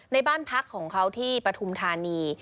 ในบ้านพักของเขาที่ปฐุมธานี